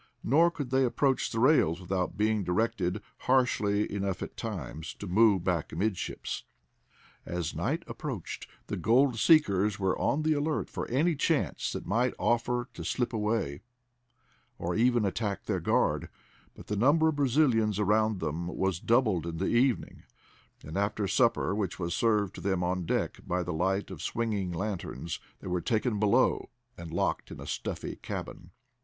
Nor could they approach the rails without being directed, harshly enough at times, to move back amidships. As night approached the gold seekers were on the alert for any chance that might offer to slip away, or even attack their guard, but the number of Brazilians around them was doubled in the evening, and after supper, which was served to them on deck by the light of swinging lanterns, they were taken below and locked in a stuffy cabin.